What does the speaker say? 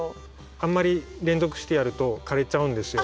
あんまり連続してやると枯れちゃうんですよ。